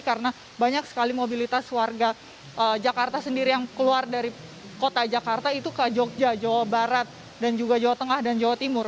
karena banyak sekali mobilitas warga jakarta sendiri yang keluar dari kota jakarta itu ke jogja jawa barat dan juga jawa tengah dan jawa timur